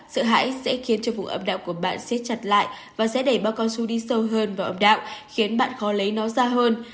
sợ hãi sẽ khiến vùng âm đạo của bạn xếp chặt lại và sẽ đẩy bác con su đi sâu hơn vào âm đạo khiến bạn khó lấy nó ra hơn